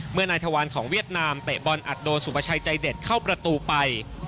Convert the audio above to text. เมื่อในทะวันของเวียดนามเตะบอลอัดโดสุภชายใจเด็ดเข้าประตูไป